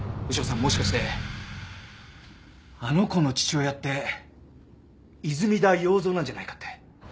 もしかしてあの子の父親って泉田耀造なんじゃないかって。